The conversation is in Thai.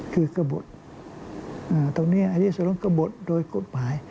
คือกบทตรงนี้อายีสุลงค์กบทโดยกฎหมาย